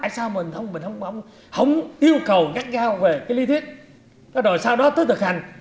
sao mình không yêu cầu ngắt giao về cái lý thuyết rồi sau đó tức thực hành